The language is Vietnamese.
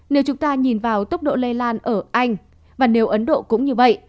nếu chúng ta nhìn vào tốc độ lây lan ở anh và nếu ấn độ cũng như vậy